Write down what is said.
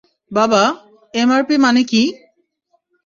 বাবা, এমআরপি মানে কি?